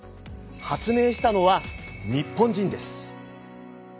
発明したのは日本人です。